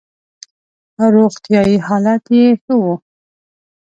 روغتیايي حالت یې ښه وو.